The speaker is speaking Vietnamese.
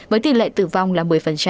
với tỷ lệ tử vong là một mươi